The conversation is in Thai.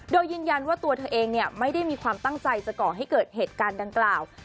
โดยยืนยันว่าตัวเธอเองไม่ได้มีความตั้งใจจะก่อให้เกิดเหตุการณ์ดังกล่าว